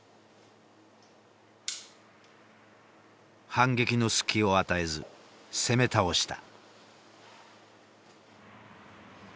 反撃の隙を与えず攻め倒した。